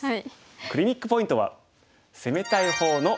クリニックポイントは。